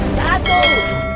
satu dua tiga